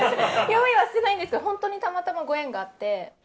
用意はしてないんですけど本当にたまたまご縁があって。